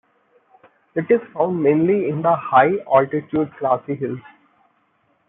It is found mainly in the high altitude grassy hills.